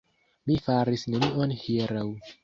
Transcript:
Mi faris nenion hieraŭ.